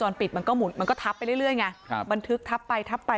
กล้องวงจรปิดมันก็หมุนมันก็ทับไปเรื่อยไงมันทึกทับไปทับไป